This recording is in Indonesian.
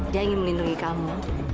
dia ingin melindungi kamu